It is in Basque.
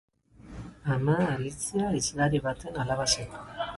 Ama, Alizia, hizlari baten alaba zen.